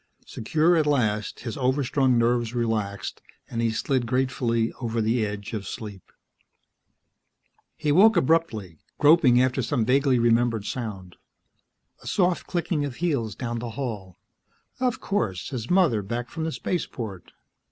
Secure at last, his overstrung nerves relaxed and he slid gratefully over the edge of sleep. He woke abruptly, groping after some vaguely remembered sound. A soft clicking of heels down the hall.... Of course, his mother back from the Spaceport!